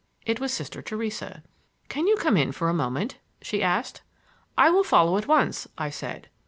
It was Sister Theresa. "Can you come in for a moment?" she asked. "I will follow at once," I said.